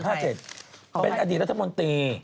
เป็นอดีตรัฐมนตรี